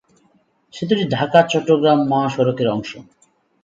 সেতুটি ঢাকা-চট্টগ্রাম মহাসড়কের অংশ।